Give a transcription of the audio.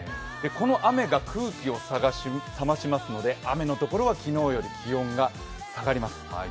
この雨が空気を冷ましますので雨のところは昨日より気温が下がります。